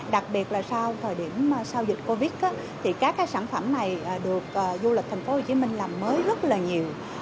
đặc biệt là sau thời điểm sau dịch covid thì các sản phẩm này được du lịch thành phố hồ chí minh làm mới rất là nhiều